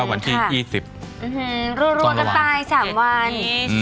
วันที่๒๐ส่วนระหว่างรั่วก็ตาย๓วัน